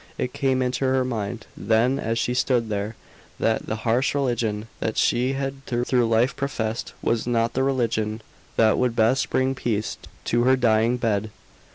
It came into her mind, then, as she stood there, that the harsh religion that she had through life professed, was not the religion that would best bring peace to her dying bed.